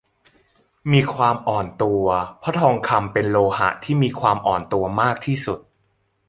มีความอ่อนตัว เพราะทองคำเป็นโลหะที่มีความอ่อนตัวมากที่สุด